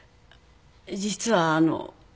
実はあのう。